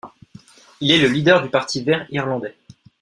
Il est le leader du Parti vert irlandais.